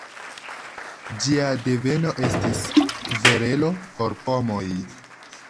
Ĝia deveno estis kverelo por pomoj.